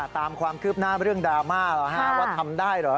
ตามความคืบหน้าเรื่องดราม่าว่าทำได้เหรอ